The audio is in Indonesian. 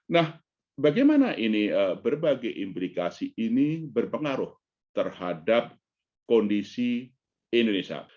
nah bagaimana ini berbagai implikasi ini berpengaruh terhadap kondisi indonesia